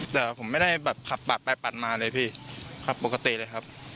แต่ผมไม่ได้แบบขับปากไปปัดมาเลยพี่ขับปกติเลยครับ